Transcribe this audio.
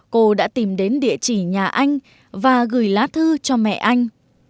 cô đã tìm đến địa chỉ nhà anh và gửi lá thư cho mẹ anh